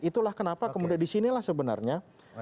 itulah kenapa kemudian disinilah sebenarnya